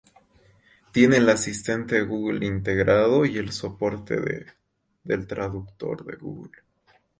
Tiene el Asistente de Google integrado y el soporte del Traductor de Google.